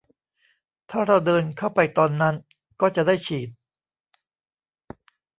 ถ้าเราเดินเข้าไปตอนนั้น ก็จะได้ฉีด